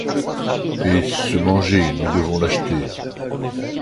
Et ce manger, nous devons l’acheter.